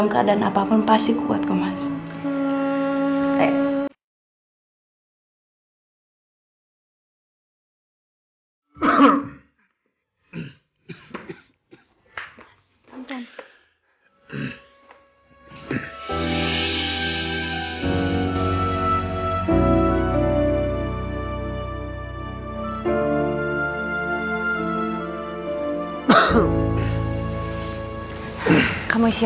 kamu bisa swipe